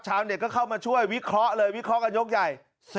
ก็เข้ามาช่วยวิเคราะห์เลยวิเคราะห์กันยกใหญ่